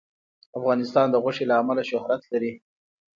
افغانستان د غوښې له امله شهرت لري.